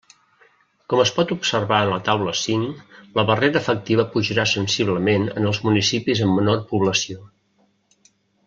Com es pot observar en la taula cinc, la barrera efectiva pujarà sensiblement en els municipis amb menor població.